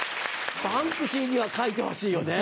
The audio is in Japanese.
バンクシーには描いてほしいよね。